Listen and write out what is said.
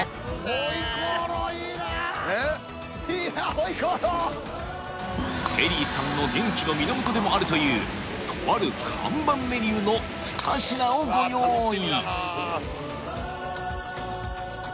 本日はテリーさんの元気の源でもあるというとある看板メニューの２品をご用意